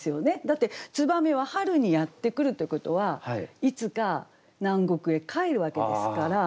だって燕は春にやって来るということはいつか南国へ帰るわけですから。